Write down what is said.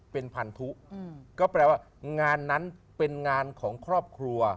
เป็นพันธุก็แปลว่างานนั้นเป็นงานของครอบครัว